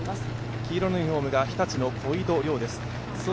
黄色のユニフォームが日立の小井戸涼です。